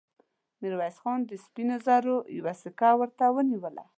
ميرويس خان د سپينو زرو يوه سيکه ورته ونيوله.